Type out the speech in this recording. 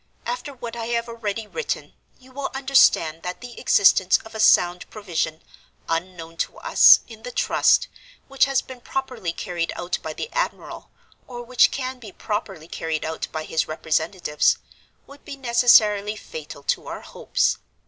After what I have already written, you will understand that the existence of a sound provision, unknown to us, in the Trust, which has been properly carried out by the admiral—or which can be properly carried out by his representatives—would be necessarily fatal to our hopes.